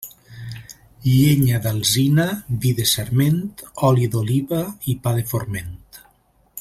Llenya d'alzina, vi de sarment, oli d'oliva i pa de forment.